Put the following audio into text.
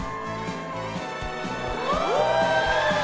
お！